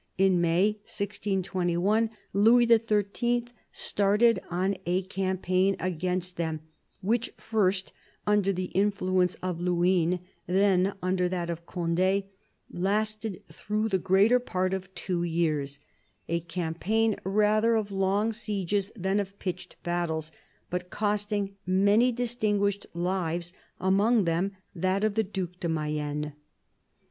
In May 1621 Louis XIIL started on a campaign against them which, first under the influence of Luynes, then under that of Cond6, lasted through the greater part of two years — a campaign rather of long sieges than of pitched battles, but costing many distinguished lives, among them that of the Due de Mayenne.